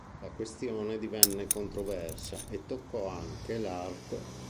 La questione divenne controversa e toccò anche l'art.